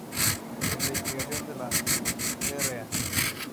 La investigación de la Dra.